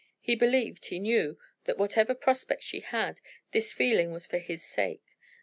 He believed, he knew, that whatever prospects she had, this feeling was for his sake.